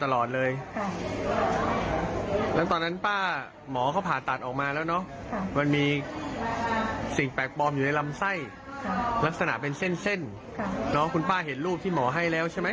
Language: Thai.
ลักษณะเป็นเส้นคุณป้าเห็นรูปที่หมอให้แล้วใช่ไหม